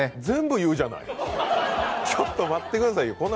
全部言うじゃない、ちょっと待ってくださいよ。